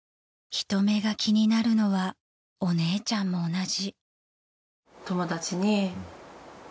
［人目が気になるのはお姉ちゃんも同じ］